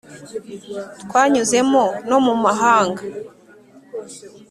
twanyuzemo no mu mahanga